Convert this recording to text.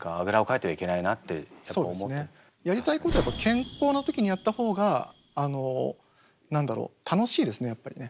やりたいことやっぱ健康の時にやった方が何だろう楽しいですねやっぱりね。